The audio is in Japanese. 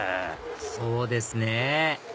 そうですね